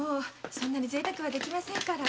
そんなに贅沢はできませんから。